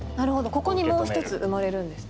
ここにもう一つ生まれるんですね。